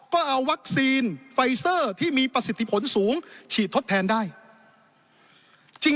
ก็เอาวัคซีนไฟเซอร์ที่มีประสิทธิผลสูงฉีดทดแทนได้จริง